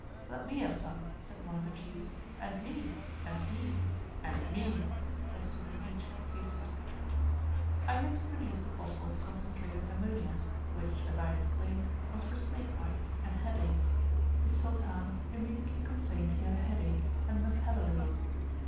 "Let me have some," said one of the chiefs; "and me," "and me," "and me," as soon as each had tasted. "I next produced a bottle of concentrated ammonia, which as I explained was for snake bites, and head aches; the Sultan immediately complained he had a head ache, and must have a little.